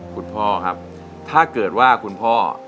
คุณพ่อครับถ้าเกิดว่าคุณพ่อ